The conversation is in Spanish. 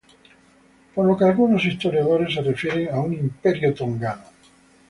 Por lo que algunos historiadores se refieren a un 'Imperio tongano'.